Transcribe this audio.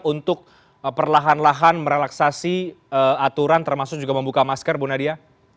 untuk perlahan lahan merelaksasi aturan termasuk juga membuka masker bu nadia